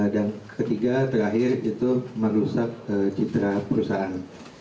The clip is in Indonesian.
dan ketiga terakhir itu merusak citra perusahaan